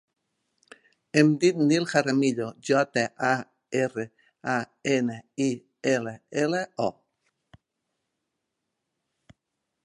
Em dic Nil Jaramillo: jota, a, erra, a, ema, i, ela, ela, o.